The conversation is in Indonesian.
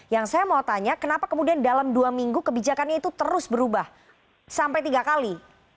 yang saya mau tanya kenapa kemudian dalam dua minggu kebijakannya itu terus berubah sampai tiga kali